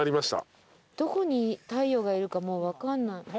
どこに太陽がいるかもう分かんない。